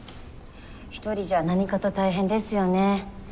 １人じゃ何かと大変ですよね。